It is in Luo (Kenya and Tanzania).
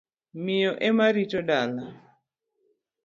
Miyo ema rito dala.